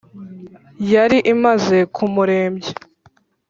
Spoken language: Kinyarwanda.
yari imaze kumurembya.